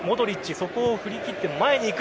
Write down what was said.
そこを振り切って前に行く。